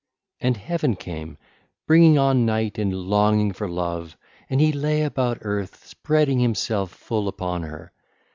(ll. 176 206) And Heaven came, bringing on night and longing for love, and he lay about Earth spreading himself full upon her 1607.